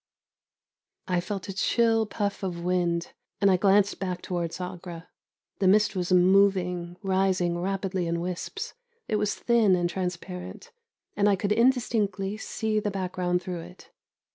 I felt a chill puff of wind, and I glanced back towards Agra. The mist was moving, rising rapidly in wisps; it was thin and transparent, and I could indistinctly see the background through it.